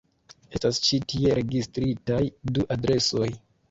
Estas ĉi tie registritaj du adresoj.